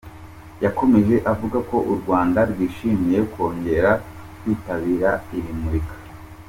Yakomeje avuga ko u Rwanda rwishimiye kongera kwitabira iri murika.